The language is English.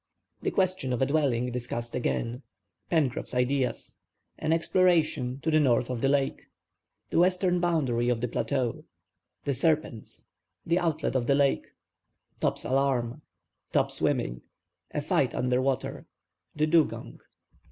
THE QUESTION OF A DWELLING DISCUSSED AGAIN—PENCROFF'S IDEAS—AN EXPLORATION TO THE NORTH OF THE LAKE—THE WESTERN BOUNDARY OF THE PLATEAU—THE SERPENTS—THE OUTLET OF THE LAKE—TOP'S ALARM—TOP SWIMMING—A FIGHT UNDER WATER—THE DUGONG.